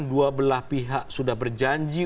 dua belah pihak sudah berjanji